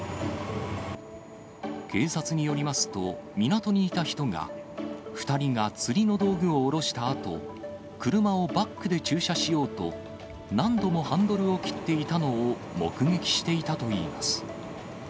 警察によりますと、港にいた人が、２人が釣りの道具を降ろしたあと、車をバックで駐車しようと、何度もハンドルを切っていたのを目撃していたといいます。